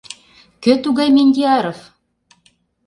«Кӧ тугай Мендиаров?..»